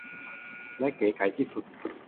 และเก๋ไก๋ที่สุด